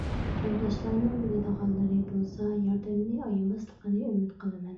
تورداشلارنىڭ بىلىدىغانلىرى بولسا ياردىمىنى ئايىماسلىقىنى ئۈمىد قىلىمەن.